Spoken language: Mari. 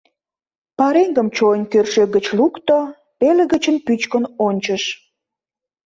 Пареҥгым чойн кӧршӧк гыч лукто, пелыгыч пӱчкын ончыш.